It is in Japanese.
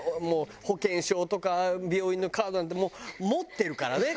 保険証とか病院のカードなんてもう持ってるからね。